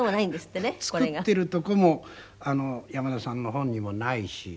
作ってるとこも山田さんの本にもないし。